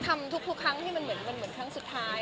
ทำทุกครั้งที่มันเหมือนครั้งสุดท้าย